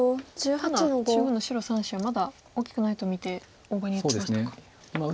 ただ中央の白３子はまだ大きくないと見て大場に打ちましたか。